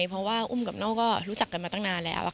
เพราะว่าอุ้มกับน้องก็รู้จักกันมาตั้งนานแล้ว